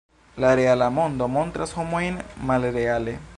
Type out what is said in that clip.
La reala mondo montras homojn malreale.